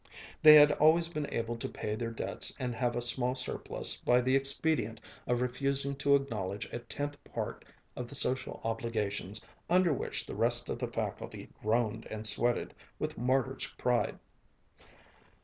They had always been able to pay their debts and have a small surplus by the expedient of refusing to acknowledge a tenth part of the social obligations under which the rest of the faculty groaned and sweated with martyr's pride.